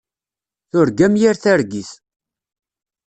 Turgam yir targit.